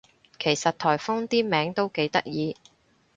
其實颱風啲名都幾得意